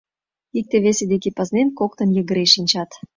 Икте-весе деке пызнен, коктын йыгыре шинчат.